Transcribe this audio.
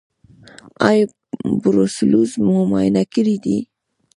ایا بروسلوز مو معاینه کړی دی؟